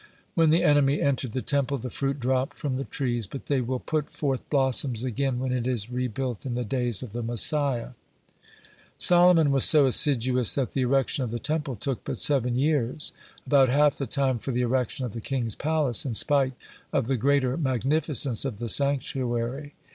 When the enemy entered the Temple, the fruit dropped from the trees, but they will put forth blossoms again when it is rebuilt in the days of the Messiah. (58) Solomon was so assiduous that the erection of the Temple took but seven years, about half the time for the erection of the king's palace, in spite of the greater magnificence of the sanctuary.